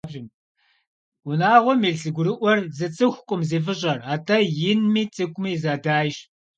Унагъуэм илъ зэгурыӏуэр зы цӏыхукъым зи фӏыщӏэр, атӏэ инми цӏыкӏуми зэдайщ.